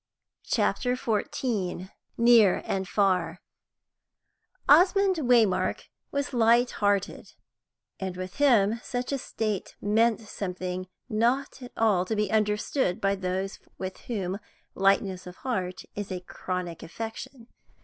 CHAPTER XIV NEAR AND FAR Osmond Waymark was light hearted; and with him such a state meant something not at all to be understood by those with whom lightness of heart is a chronic affection.